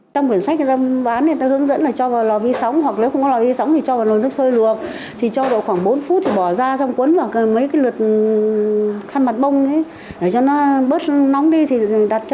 cho nên là không nên trường những cái thứ đồ nóng vào chân ông như thế